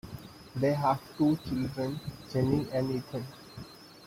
They have two children, Jennie and Ethan.